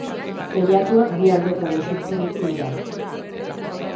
Teilatuak bi aldetara isurtzen ditu urak.